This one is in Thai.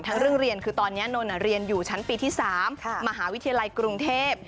เรื่องเรียนคือตอนนี้นนท์เรียนอยู่ชั้นปีที่๓มหาวิทยาลัยกรุงเทพ